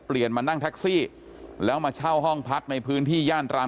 มานั่งแท็กซี่แล้วมาเช่าห้องพักในพื้นที่ย่านรัง